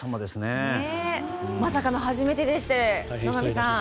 まさかの初めてでして野上さん。